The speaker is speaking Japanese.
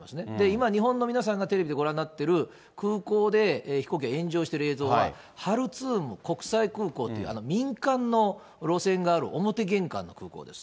今、日本の皆さんがテレビでご覧になっている空港で飛行機が炎上している映像は、ハルツーム国際空港という、民間の路線がある、表玄関の空港です。